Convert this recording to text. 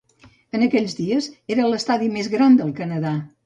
En aquells dies, era l'estadi més gran del Canadà.